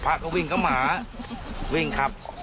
ไม่ใช่ครับ